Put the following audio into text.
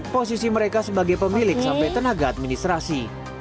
posisi mereka sebagai pemilik sampai tenaga administrasi